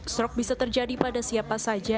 stroke bisa terjadi pada siapa saja